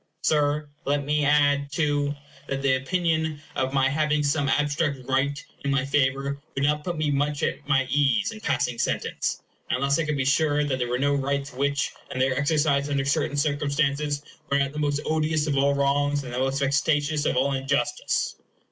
Sir, let me add, too, that the opinion of my having some abstract right in my favor would not put me much at my ease in passing sentence, unless I could be sure that there were no rights which, in their exercise under certain circumstances, were not the most odious of all wrongs and the most vexatious of all injustice.